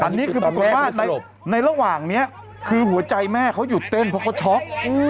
อันนี้คือปรากฏว่าในระหว่างนี้คือหัวใจแม่เขาหยุดเต้นเพราะเขาช็อก